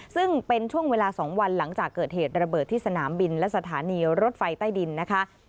ซึ่งเป็นช่วงเวลา๒วันหลังจากเกิดเหตุระเบิดที่สนามบินและสถานีรถไฟใต้ดินนะคะ